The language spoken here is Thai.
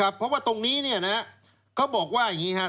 เพราะว่าตรงนี้เนี่ยนะเขาบอกว่าอย่างนี้ครับ